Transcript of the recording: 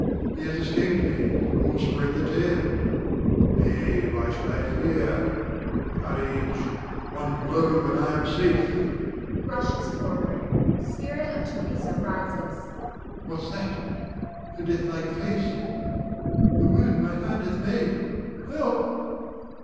He has escaped me, and will spread the tale. Nay, why should I fear? Courage! One blow, and I am safe! [Rushes forward. Spirit of Theresa rises.] What's that? her deathlike face, the wound my hand hath made! Help!